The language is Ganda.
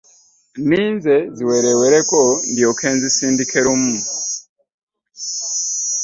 Ninze ziwerewereko ndyooke nzisindike lumu .